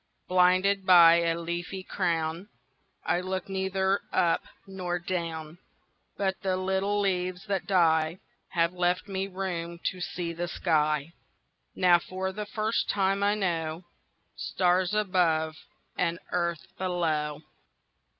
Blinded by a leafy crownI looked neither up nor down—But the little leaves that dieHave left me room to see the sky; Now for the first time I knowStars above and earth below.